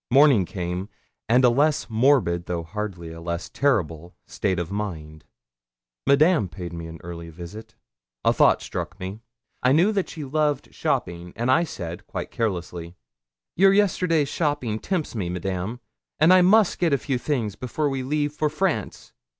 Morning came, and a less morbid, though hardly a less terrible state of mind. Madame paid me an early visit. A thought struck me. I knew that she loved shopping, and I said, quite carelessly 'Your yesterday's shopping tempts me, Madame, and I must get a few things before we leave for France.